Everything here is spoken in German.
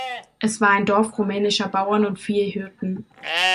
Es war ein Dorf rumänischer Bauern und Viehhirten.